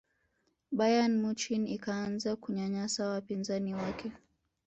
bayern munich ikaanza kunyanyasa wapinzani wake